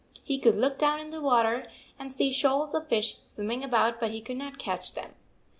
He could look down into the water and see shoals of fish swimming about, but he could not catch them.